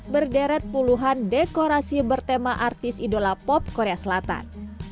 berderet puluhan dekorasi bertema artis idola pop korea selatan